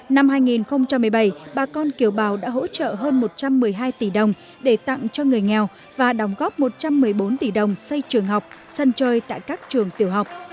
năm hai nghìn một mươi bảy bà con kiều bào đã hỗ trợ hơn một trăm một mươi hai tỷ đồng để tặng cho người nghèo và đóng góp một trăm một mươi bốn tỷ đồng xây trường học sân chơi tại các trường tiểu học